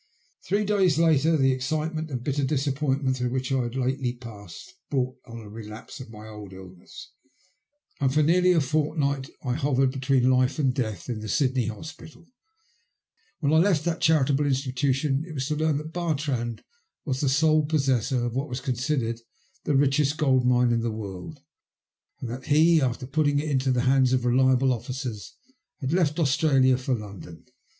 Three days later the excitement and bitter disap pointment through which I had lately passed brought on a relapse of my old illness, and for nearly a 83 THE LUST OF HATB. fortnight I hovered between life and death in the Sydney Hospital, When I left that charitable institu tion it was to learn that Bartrand was the sole possessor of what was considered the richest gold mine in the world, and that he, after putting it into the hands of reliable officers, had left Australia for London.